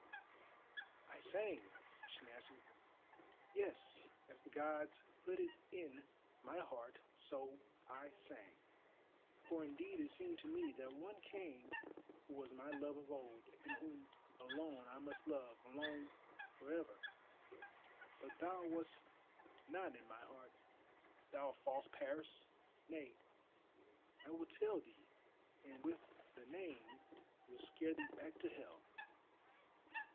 "I sang," she answered, "yes, as the Gods put it in my heart so I sang—for indeed it seemed to me that one came who was my love of old, and whom alone I must love, alone for ever. But thou wast not in my heart, thou false Paris! Nay, I will tell thee, and with the name will scare thee back to Hell.